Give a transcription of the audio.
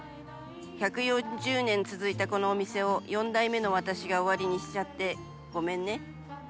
１４０年続いたこのお店を、４代目の私が終わりにしちゃってごめんね。